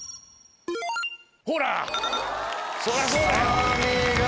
そりゃそうだよ。